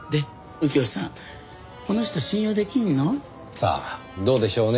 さあどうでしょうね？